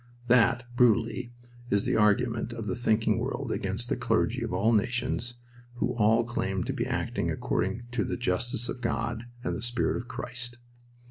That, brutally, is the argument of the thinking world against the clergy of all nations who all claimed to be acting according to the justice of God and the spirit of Christ.